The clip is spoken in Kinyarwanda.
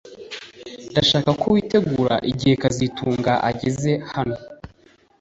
Ndashaka ko witegura igihe kazitunga ageze hano